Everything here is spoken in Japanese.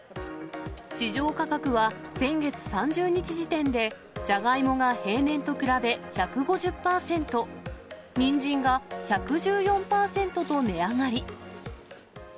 市場価格は先月３０日時点で、ジャガイモが平年と比べ１５０％、ニンジンが１１４％と値上がり。